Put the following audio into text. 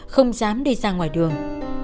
không dám đi ra ngoài đường